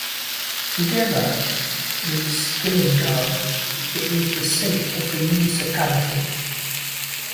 Together with Skillingaryd it is the seat of the municipality.